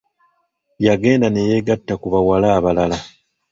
Yagenda ne yeegatta ku bawala abalala.